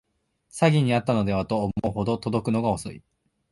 詐欺にあったのではと思うほど届くのが遅い